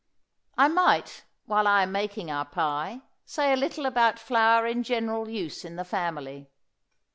I might, while I am making our pie, say a little about flour in general use in the family.